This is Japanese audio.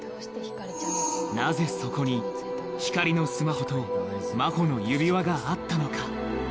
なぜそこに光莉のスマホと真帆の指輪があったのか？